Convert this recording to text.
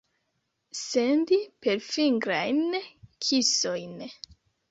Sendi perfingrajn kisojn.